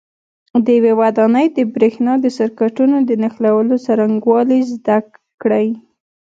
د یوې ودانۍ د برېښنا د سرکټونو د نښلولو څرنګوالي زده کړئ.